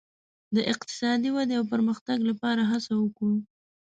د اقتصادي ودې او پرمختګ لپاره هڅه وکړو.